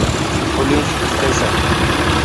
police station